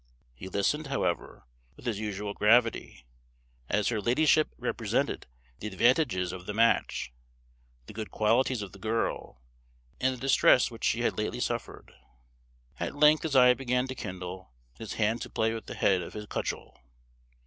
He listened, however, with his usual gravity, as her ladyship represented the advantages of the match, the good qualities of the girl, and the distress which she had lately suffered; at length his eye began to kindle, and his hand to play with the head of his cudgel.